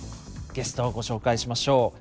ゲストをご紹介しましょう。